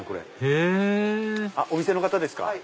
へぇお店の方ですか？